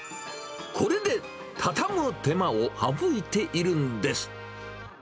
これで畳む手間を省いているんです。